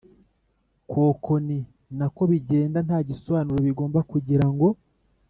kokoni na ko bigenda nta gisobanuro bigomba kugira ngo